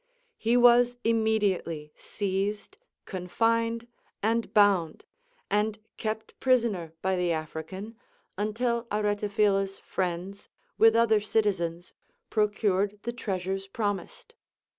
He was immediately seized, confined, and bound, and kept prisoner by the African, until Aretaphila s friends, Avith other citizens, procured the treasures promised.